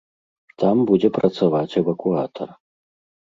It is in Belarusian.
Там будзе працаваць эвакуатар.